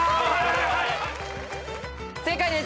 正解です。